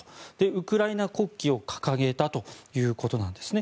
ウクライナ国旗を掲げたということなんですね。